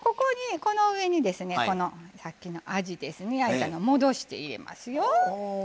この上に、さっきのあじ焼いたのを戻して入れますよ。